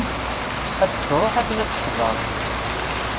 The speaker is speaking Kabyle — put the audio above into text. Ad d-truḥ akken ad teḥder.